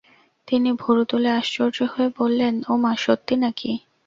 তিনি ভুরু তুলে আশ্চর্য হয়ে বললেন, ওমা, সত্যি নাকি?